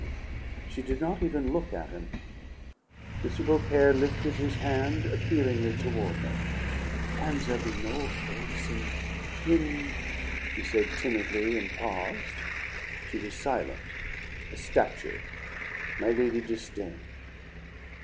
She did not even look at him. M. Beaucaire lifted his hand appealingly toward her. "Can there be no faith in in he said timidly, and paused. She was silent, a statue, my Lady Disdain.